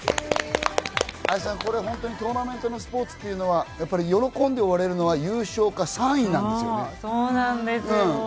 愛さん、これホントにトーナメントスポーツっていうのは、喜んで終われるのは優勝か３位なんですよね。